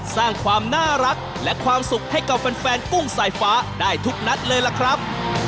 สร้างความน่ารักและความสุขให้กับแฟนกุ้งสายฟ้าได้ทุกนัดเลยล่ะครับ